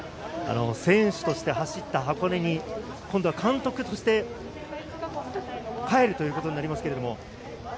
選手として走った箱根に、今度は監督として帰ることになります。